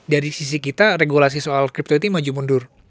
dari sisi kita regulasi soal crypto itu maju mundur